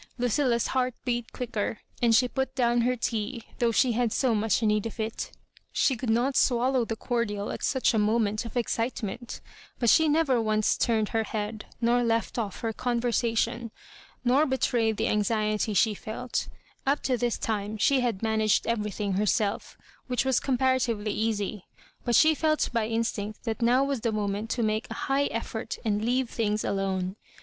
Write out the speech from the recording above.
Lncilla's lieart beat quicker, and she put down her tea, 4Jiough she had so much need of it She oould not swallow the cordial tX such a mo ment of excitement But she never once turned her head, nor left off her conversation, nor be trayed the anxiety she felt Up to this time she bad managed everything herself, which was comparatively easy ; but she felt by instinct that now was the moment to make a high effort and leave things alone.